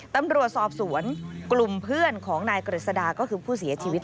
ตำรวจสอบสวนกลุ่มเพื่อนของนายกฤษดาก็คือผู้เสียชีวิต